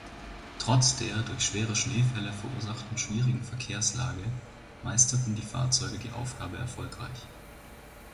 Trotz der durch schwere Schneefälle verursachten schwierigen Verkehrslage meisterten die Fahrzeuge die Aufgabe erfolgreich.